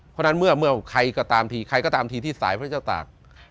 เพราะฉะนั้นเมื่อใครก็ตามทีใครก็ตามทีที่สายพระเจ้าตาก